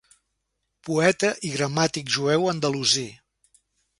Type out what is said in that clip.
Poeta i gramàtic jueu andalusí.